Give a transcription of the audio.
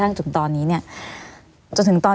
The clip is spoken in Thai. ไม่มีครับไม่มีครับ